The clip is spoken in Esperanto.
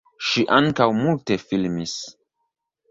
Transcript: Ŝi ankaŭ multe filmis.